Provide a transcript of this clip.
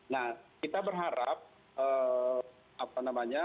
nah kita berharap apa namanya